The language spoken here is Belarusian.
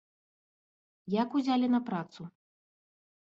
Як узялі на працу?